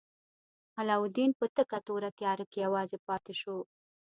علاوالدین په تکه توره تیاره کې یوازې پاتې شو.